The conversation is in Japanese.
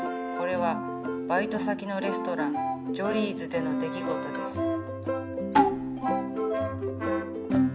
これはバイト先のレストランジョリーズでの出来事です。